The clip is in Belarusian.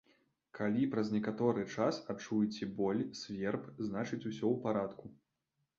Калі праз некаторы час адчуеце боль, сверб, значыць, усё ў парадку!